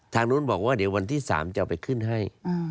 ทางนู้นบอกว่าเดี๋ยววันที่๓จะเอาไปขึ้นให้